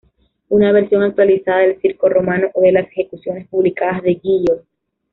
Una versión actualizada del Circo Romano o de las ejecuciones públicas de Guillot.